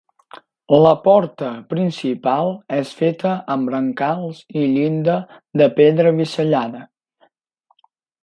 La porta principal és feta amb brancals i llinda de pedra bisellada.